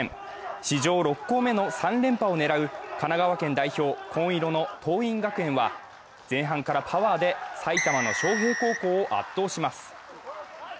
史上６校目の３連覇を狙う神奈川県代表、紺色の桐蔭学園は前半からパワーで埼玉の昌平高校を圧倒します。